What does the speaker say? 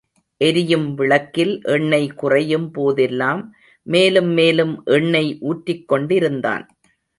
எரியும் விளக்கில் எண்ணெய் குறையும் போதெல்லாம், மேலும் மேலும் எண்ணெய் ஊற்றிக் கொண்டிருந்தான்.